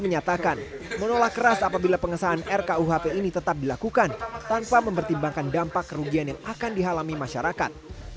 menyatakan menolak keras apabila pengesahan rkuhp ini tetap dilakukan tanpa mempertimbangkan dampak kerugian yang akan dihalami masyarakat